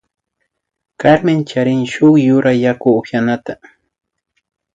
Carmen charin shuk yura yaku upyanata